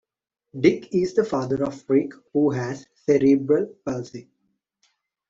Dick is the father of Rick, who has cerebral palsy.